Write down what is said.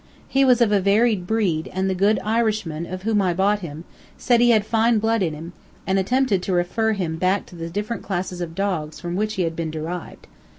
He was of a varied breed, and the good Irishman of whom I bought him said he had fine blood in him, and attempted to refer him back to the different classes of dogs from which he had been derived.